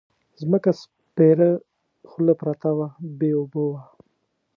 ځمکه سپېره خوله پرته وه بې اوبو وه.